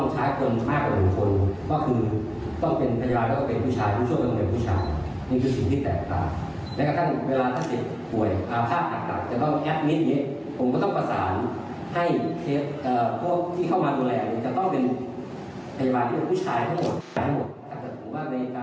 จะต้องเป็นพยาบาลที่มีผู้ชายทั้งหมด